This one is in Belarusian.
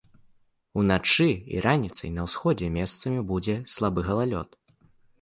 Уначы і раніцай на ўсходзе месцамі будзе слабы галалёд.